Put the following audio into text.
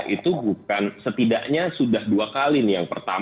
itu bukan setidaknya sudah dua kali nih